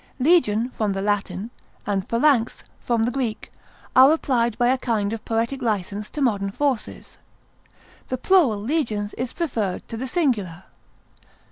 Legion (from the Latin) and phalanx (from the Greek) are applied by a kind of poetic license to modern forces; the plural legions is preferred to the singular.